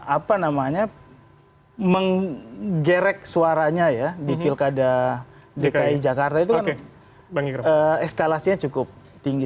apa namanya menggerek suaranya ya di pilkada dki jakarta itu kan eskalasinya cukup tinggi